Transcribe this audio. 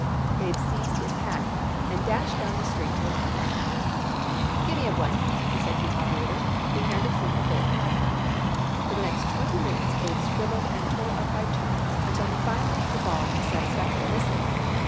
Abe seized his hat and dashed down the street to the telegraph office. "Gimme a blank," he said to the operator, who handed him a whole padful. For the next twenty minutes Abe scribbled and tore up by turns until he finally evolved a satisfactory missive.